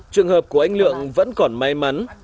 trường hợp của anh lượng vẫn còn may mắn